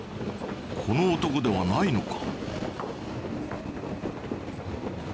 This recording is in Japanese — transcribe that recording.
この男ではないのか？